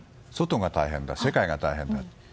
外が大変だ、世界が大変だと。